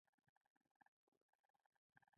د جلال اباد جنګ یو نه هیریدونکی جنګ وو.